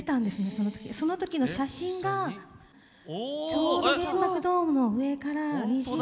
その時の写真がちょうど原爆ドームの上から虹が。